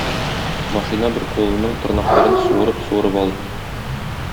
Машина бер кулының тырнакларын суырып-суырып алды.